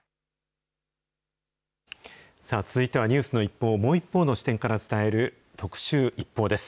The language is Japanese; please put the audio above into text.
続いてはニュースの一報をもう一方の視点から伝える特集ＩＰＰＯＵです。